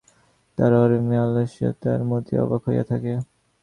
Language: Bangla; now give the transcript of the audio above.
তার অপরিমেয় আলস্যপ্রিয়তায় মতি অবাক হইয়া থাকে।